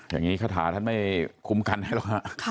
อย่างนี้คาถาท่านไม่คุ้มกันให้รึเปล่าค่ะ